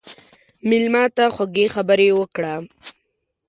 مېلمه ته خوږې خبرې وکړه.